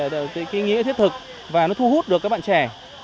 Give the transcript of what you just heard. cái nghĩa thiết thực và nó thu hút được các bạn trẻ